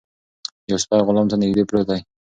یو سپی غلام ته نږدې پروت دی.